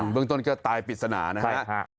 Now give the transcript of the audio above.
เบื้องต้นก็ตายผิดสนานะครับ